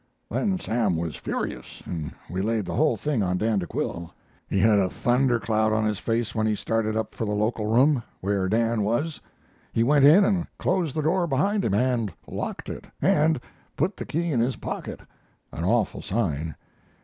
"Then Sam was furious, and we laid the whole thing on Dan de Quille. He had a thunder cloud on his face when he started up for the Local Room, where Dan was. He went in and closed the door behind him, and locked it, and put the key in his pocket an awful sign.